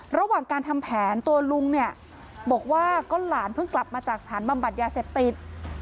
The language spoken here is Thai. ระหว่างการทำแผนตัวลุงเนี่ยบอกว่าก็หลานเพิ่งกลับมาจากสถานบำบัดยาเสพติด